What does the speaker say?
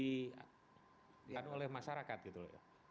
yang diadakan oleh masyarakat gitu